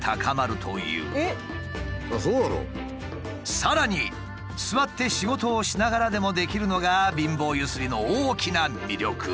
さらに座って仕事をしながらでもできるのが貧乏ゆすりの大きな魅力。